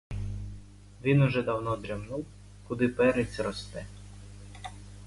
Він уже давно дременув, куди перець росте.